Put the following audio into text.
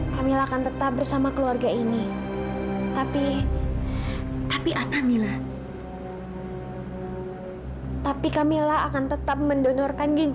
kamila kan tetap bersama keluarga ini